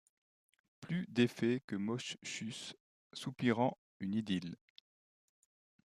Plus d'effet que Moschus soupirant une idylle ;